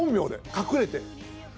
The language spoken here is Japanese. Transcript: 隠れて。